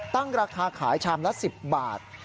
ตั้งราคาขายชามละ๑๐บาท